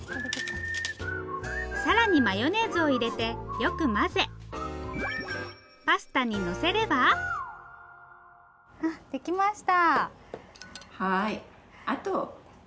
更にマヨネーズを入れてよく混ぜパスタにのせればできました！